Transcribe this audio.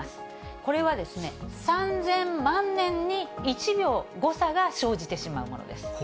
これは３０００万年に１秒誤差が生じてしまうものです。